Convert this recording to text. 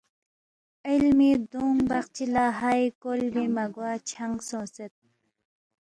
علمی دونگ بقچی لا ہائے کولبے مگوا چھنگ سونگسید